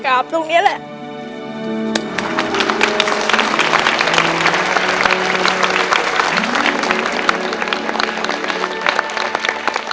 กราบตรงนี้แหละ